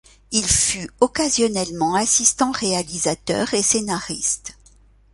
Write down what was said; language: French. Il fut occasionnellement assistant réalisateur et scénariste.